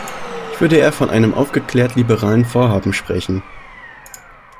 Ich würde eher von einem aufgeklärt-liberalen Vorhaben sprechen.